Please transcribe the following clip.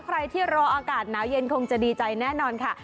ใครที่รออากาศหนาวเย็นคงจะดีใจแน่นอนค่ะ